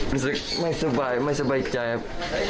รู้สึกไม่สบายไม่สบายใจครับ